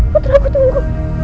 putra aku tunggu